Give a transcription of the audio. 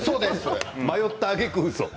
迷ったあげく、ウソ。